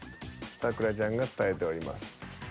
咲楽ちゃんが伝えております。